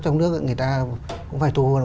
trong nước thì người ta cũng phải thu